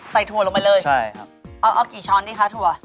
ใส่ทั่วลงไปเลยเอากี่ช้อนดีคะทั่ว